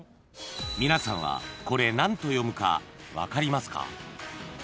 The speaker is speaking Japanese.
［皆さんはこれ何と読むか分かりますか？］